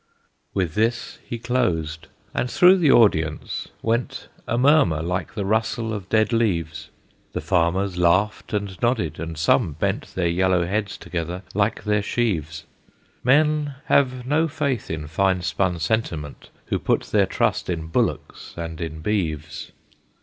With this he closed; and through the audience went A murmur, like the rustle of dead leaves; The farmers laughed and nodded, and some bent Their yellow heads together like their sheaves; Men have no faith in fine spun sentiment Who put their trust in bullocks and in beeves.